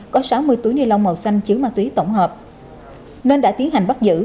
có sáu mươi túi ni lông màu xanh chứa ma túy tổng hợp nên đã tiến hành bắt giữ